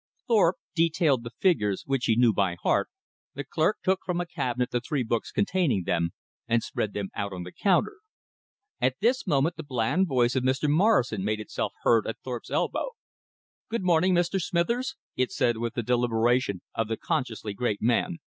Thorpe detailed the figures, which he knew by heart, the clerk took from a cabinet the three books containing them, and spread them out on the counter. At this moment the bland voice of Mr. Morrison made itself heard at Thorpe's elbow. "Good morning, Mr. Smithers," it said with the deliberation of the consciously great man.